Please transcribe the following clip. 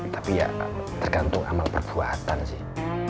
tapi ya tergantung amal perbuatan sih